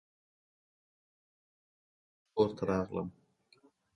بیرته ژر کور ته راغلم.